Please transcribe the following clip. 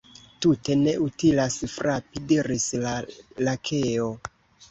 "Tute ne utilas frapi," diris la Lakeo.